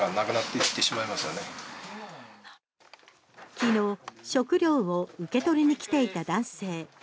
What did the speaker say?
昨日食料を受け取りに来ていた男性。